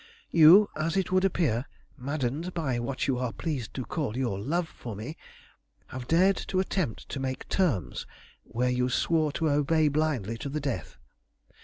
"You, as it would appear, maddened by what you are pleased to call your love for me, have dared to attempt to make terms where you swore to obey blindly to the death.